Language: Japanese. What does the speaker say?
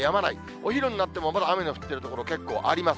お昼になっても、まだ雨が降っている所、結構あります。